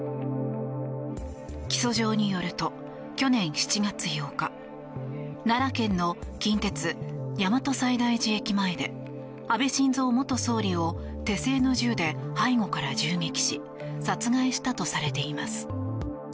起訴状によると去年７月８日奈良県の近鉄大和西大寺駅前で安倍晋三元総理を手製の銃で背後から銃撃し殺害したとされています。